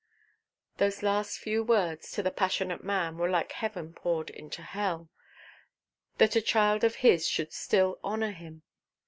Those last few words to the passionate man were like heaven poured into hell. That a child of his should still honour him!